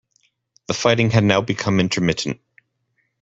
The fighting had now become intermittent.